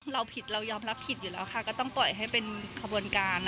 เราผิดเรายอมรับผิดอยู่แล้วค่ะก็ต้องปล่อยให้เป็นขบวนการ